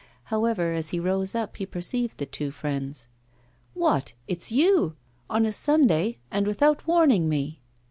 However, as he rose up he perceived the two friends. 'What! it's you? On a Sunday, and without warning me!